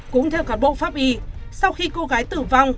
cũng theo cán bộ pháp y sau khi cô gái tử vong